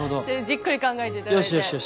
じっくり考えていただいて。